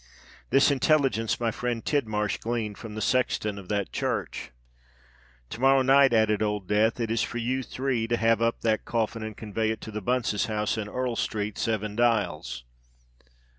This intelligence my friend Tidmarsh gleaned from the sexton of that church. To morrow night," added Old Death, "it is for you three to have up that coffin and convey it to the Bunces' house in Earl Street, Seven Dials."